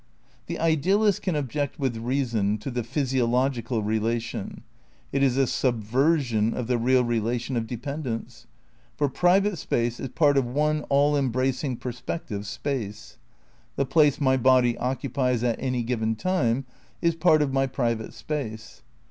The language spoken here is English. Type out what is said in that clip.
The idealist can object with reason to the physio logical relation. It is a subversion of the real rela tion of dependence. For private space is part of one all embracing perspective space. The place my body occupies at any given time is part of my private space.